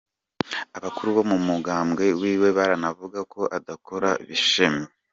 Abakuru bo mu mugambwe wiwe baranavuga ko adakora bishemeye.